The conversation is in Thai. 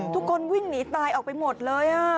ทุกคนวิ่งหนีตายออกไปหมดเลย